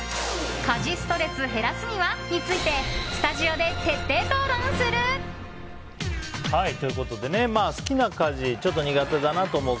家事ストレス減らすには？についてスタジオで徹底討論する。ということで、好きな家事ちょっと苦手だなと思う